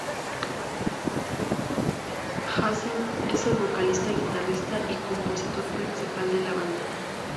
Hansen es el vocalista, guitarrista y compositor principal de la banda.